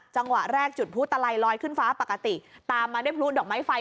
จังหวะแรกจุดพลุตลัยลอยขึ้นฟ้าปกติตามมาด้วยพลุดอกไม้ไฟ